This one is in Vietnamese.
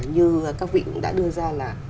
như các vị cũng đã đưa ra là